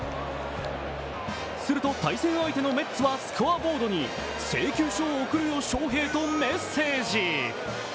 すると対戦相手のメッツはスコアボードに、請求書を送るよショーヘイとメッセージ。